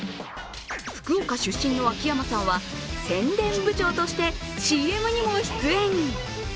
福岡出身の秋山さんは宣伝部長として、ＣＭにも出演。